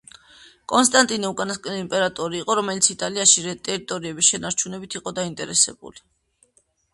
კონსტანტინე უკანასკნელი იმპერატორი იყო, რომელიც იტალიაში ტერიტორიების შენარჩუნებით იყო დაინტერესებული.